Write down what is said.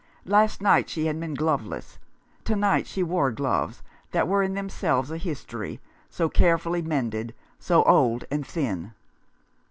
Last night she had been gloveless ; to night she wore gloves that were in themselves a history, so carefully mended, so old and thin.